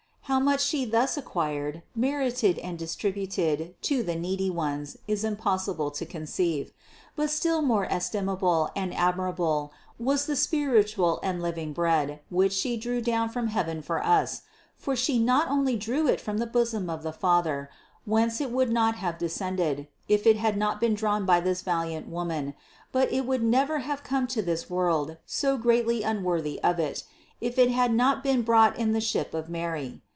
How much She thus acquired, merited and distributed to the needy ones is impossible to conceive. But still more estimable and admirable was the spiritual and living Bread, which She drew down from heaven for us; for She not only drew It from the bosom of the Father, whence It would not have descended, if It had not been drawn by this valiant Woman, but It would never have come to this world, so greatly unworthy of It, if It had not been brought in the ship of Mary.